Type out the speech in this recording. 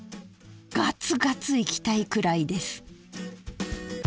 ガツガツいきたいくらいです。